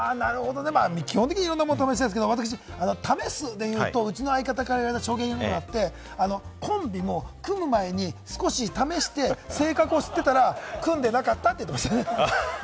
基本的にいろんなものを試したいですけれど、私、試すで言うと、うちの相方からコンビを組む前に少し試して、性格を知っていたら組んでなかったと言っていました。